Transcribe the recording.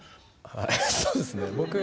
そうですね僕。